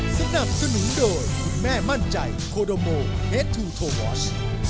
สนับสนุนโดยคุณแม่มั่นใจโคโดโมเฮดทูโทวอช